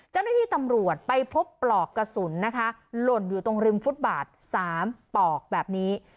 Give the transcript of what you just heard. เจ้าหน้าที่ตำรวจไปพบปลอกกระสุนนะคะหล่นอยู่ตรงริมฟุตบาท๓ปลอกแบบนี้